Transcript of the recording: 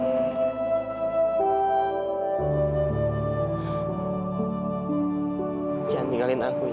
jangan tinggalin aku ya